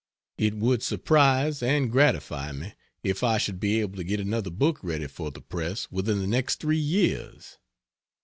It would surprise (and gratify) me if I should be able to get another book ready for the press within the next three years.